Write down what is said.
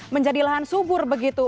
menjadi lahan subur begitu